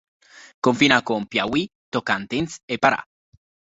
Confina con Piauí, Tocantins e Pará.